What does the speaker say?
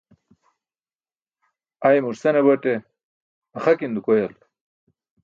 ai mur senabate axakin dukoyal